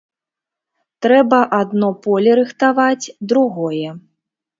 Трэба адно поле рыхтаваць, другое.